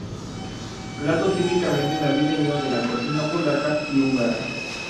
Plato típicamente navideño de la cocina polaca y húngara.